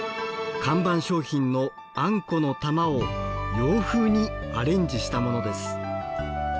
看板商品のあんこの玉を洋風にアレンジしたものです。